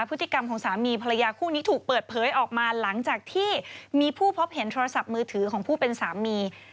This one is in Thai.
พฤติกรรมของสามีภรรยาคู่นี้ถูกเปิดเผยออกมาหลังจากที่มีผู้พบเห็นโทรศัพท์มือถือของผู้เป็นสามี